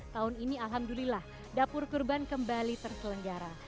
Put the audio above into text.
tahun ini alhamdulillah dapur kurban kembali terselenggara